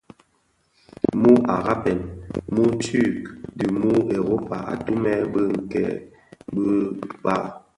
Muu araben, muturk dhi muu Europa atumè bi nke bè nkpag.